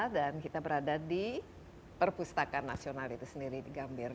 dan kita berada di perpustakaan nasional itu sendiri di gambir